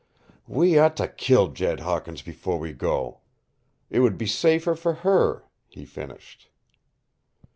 "We ought to kill Jed Hawkins before we go. It would be safer for her," he finished.